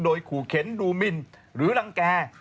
โดยขู่เข็นดูมินหรือรังแก่